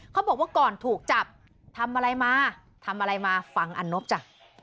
เขาบอกว่าก่อนถูกจับทำอะไรมาทำอะไรมาฟังอันนบจ้ะ